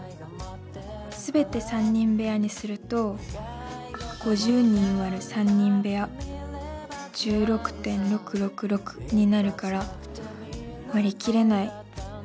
すべて３人部屋にすると５０人割る３人部屋１６．６６６になるから割り切れない。